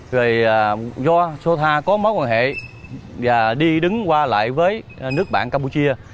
rồi do sotha có mối quan hệ và đi đứng qua lại với nước bạn campuchia